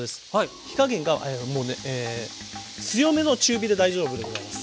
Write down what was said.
火加減がもうね強めの中火で大丈夫でございます。